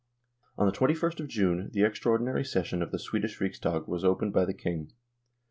On the 2 1st of June the extraordinary session of the Swedish Riksdag was opened by the King.